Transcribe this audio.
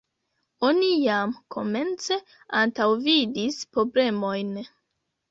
Oni jam komence antaŭvidis problemojn.